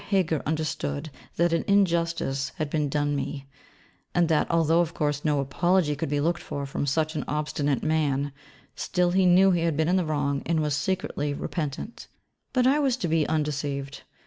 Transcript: Heger understood that an injustice had been done me; and that although, of course, no apology could be looked for from such an obstinate man, still he knew he had been in the wrong and was secretly repentant. But I was to be undeceived.